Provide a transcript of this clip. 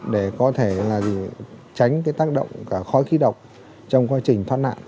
để có thể tránh tác động khói khí độc trong quá trình thoát nạn